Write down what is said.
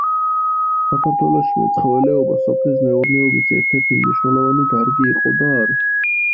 საქართველოში მეცხოველეობა სოფლის მეურნეობის ერთ-ერთი მნიშვნელოვანი დარგი იყო და არის.